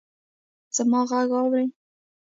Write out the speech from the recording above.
زما ږغ اورې!